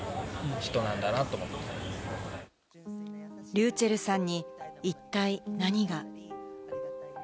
ｒｙｕｃｈｅｌｌさんに一体何が？